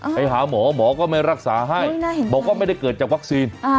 ไปหาหมอหมอก็ไม่รักษาให้บอกว่าไม่ได้เกิดจากวัคซีน